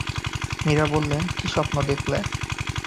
মীরা বললেন, কী স্বপ্ন দেখলে?